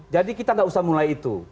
jadi kita tidak usah mulai itu